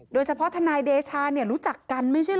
โดยเฉพาะทนายเดชาเนี่ยรู้จักกันไม่ใช่หรอ